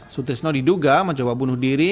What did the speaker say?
sutisno diduga mencoba bunuh diri